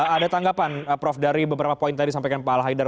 ada tanggapan prof dari beberapa poin tadi sampaikan pak al haidar